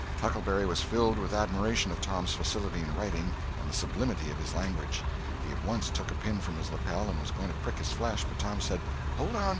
Huckleberry was filled with admiration of Tom's facility in writing, and the sublimity of his language. He at once took a pin from his lapel and was going to prick his flesh, but Tom said: "Hold on!